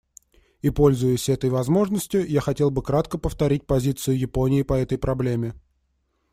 И пользуясь этой возможностью, я хотел бы кратко повторить позицию Японии по этой проблеме.